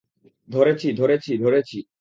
ধরেছি, ধরেছি, ধরেছি।